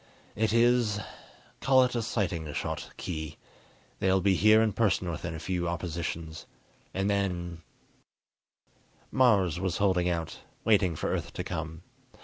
It is call it a sighting shot, Khee. They'll be here in person within a few oppositions. And then " Mars was holding out, waiting for Earth to come.